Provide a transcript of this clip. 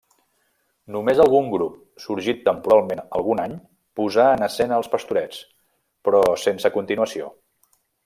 Només algun grup sorgit temporalment algun any posà en escena els Pastorets, però sense continuació.